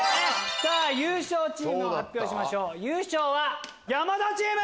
優勝チームを発表しましょう優勝は山田チーム！